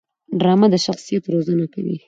ډرامه د شخصیت روزنه کوي